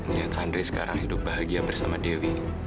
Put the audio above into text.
lihat andri sekarang hidup bahagia bersama dewi